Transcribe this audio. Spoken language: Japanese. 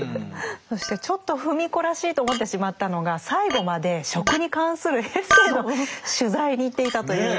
そしてちょっと芙美子らしいと思ってしまったのが最後まで食に関するエッセーの取材に行っていたということ。